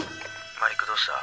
マリックどうした？